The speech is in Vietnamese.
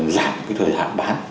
dặn cái thời hạn bán